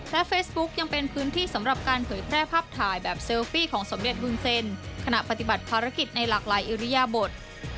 เฟซบุ๊กยังเป็นพื้นที่สำหรับการเผยแพร่ภาพถ่ายแบบเซลฟี่ของสมเด็จวุ่นเซ็นขณะปฏิบัติภารกิจในหลากหลายอิริยบท